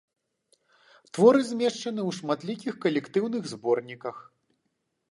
Творы змешчаны ў шматлікіх калектыўных зборніках.